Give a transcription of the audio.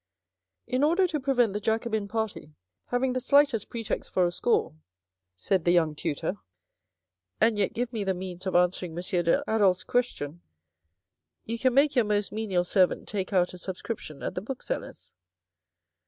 " In order to prevent the Jacobin Party having the slightest pretext for a score," said the young tutor, " and yet give me the means of answering M. de Adolphe's question, you can make your most menial servant take out a subscription at the booksellers."